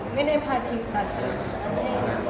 ไม่ได้พาทีมสาธารณีมาได้